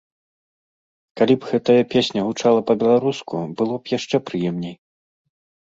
Калі б гэтая песня гучала па-беларуску, было б яшчэ прыемней.